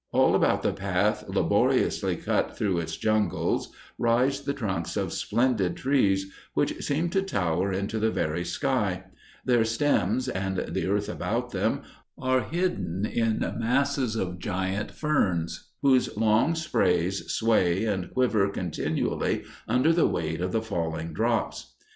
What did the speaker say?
All about the path laboriously cut through its jungles, rise the trunks of splendid trees, which seem to tower into the very sky; their stems, and the earth about them, are hidden in masses of giant ferns, whose long sprays sway and quiver continually under the weight of the falling drops.